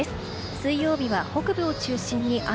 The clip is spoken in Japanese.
水曜日は北部を中心に雨。